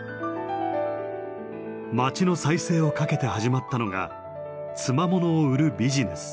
町の再生をかけて始まったのが「つまもの」を売るビジネス。